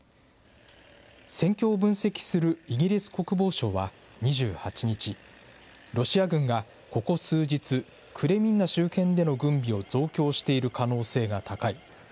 戦況を分析するイギリス国防省は、２８日、ロシア軍がここ数日、クレミンナ周辺での軍備を増強している可能性が高い。